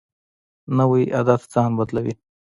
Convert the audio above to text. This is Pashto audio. نوی عادت ځان بدلوي